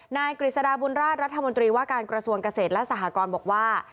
กฤษฎาบุญราชรัฐมนตรีว่าการกระทรวงเกษตรและสหกรบอกว่า